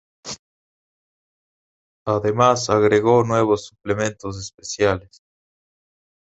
Además agregó nuevos suplementos especiales.